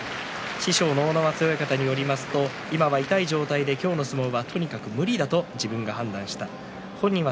師匠の阿武松親方によりますと今は痛い状態で今日の状態は相撲は無理だと本人が判断した。